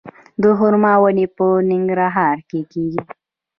د خرما ونې په ننګرهار کې کیږي؟